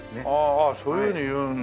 ああそういうふうに言うんだ。